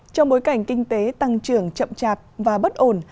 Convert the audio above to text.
trong bối cảnh kinh tế tăng trưởng chậm chạp và bất ổn